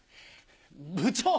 部長！